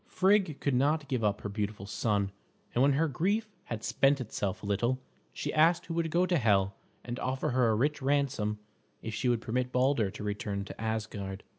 Frigg could not give up her beautiful son, and when her grief had spent itself a little, she asked who would go to Hel and offer her a rich ransom if she would permit Balder to return to Asgard.